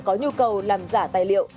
có nhu cầu làm giả tài liệu